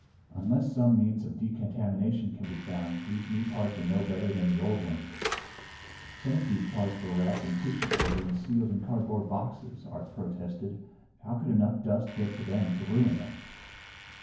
"Unless some means of decontamination can be found these new parts are no better than the old ones." "Some of these parts were wrapped in tissue paper and sealed in cardboard boxes!" Art protested. "How could enough dust get to them to ruin them?"